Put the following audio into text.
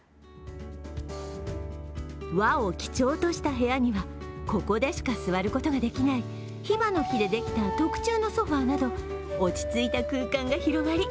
和を基調とした部屋にはここでしか座ることができないひばの木でできた特注のソファーなど落ち着いた空間が広がり